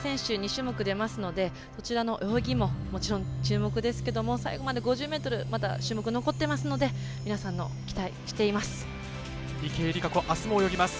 ２種目、出ますのでこちらの泳ぎももちろん注目ですけども５０ｍの種目が残っていますので皆さんも期待しています。